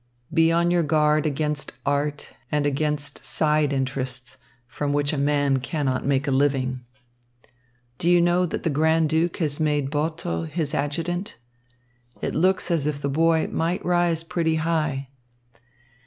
Be on your guard against art and against side interests, from which a man cannot make a living. Do you know that the Grand Duke has made Botho his adjutant? It looks as if the boy might rise pretty high.